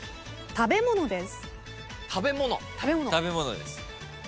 食べ物です。